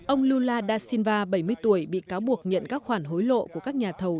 ông lula da silva bảy mươi tuổi bị cáo buộc nhận các khoản hối lộ của các nhà thầu